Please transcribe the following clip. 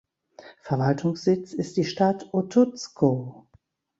Verwaltungssitz ist die Stadt Otuzco.